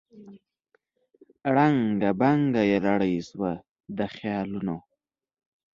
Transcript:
ړنګه بنګه یې لړۍ سوه د خیالونو